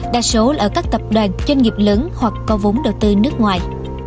đa số là ở các tập đoàn doanh nghiệp lớn hoặc có vốn đầu tư nước ngoài